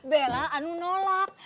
bella itu nolak